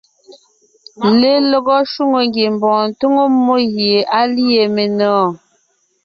Lelɔgɔ shwòŋo ngiembɔɔn tóŋo mmó gie á lîe menɔ̀ɔn.